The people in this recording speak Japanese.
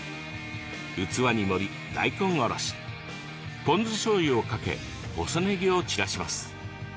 器に盛り、大根おろしポン酢しょうゆをかけ細ねぎを散らします。